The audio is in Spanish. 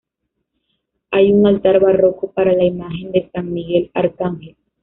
Hay un altar barroco para la imagen de San Miguel Arcángel.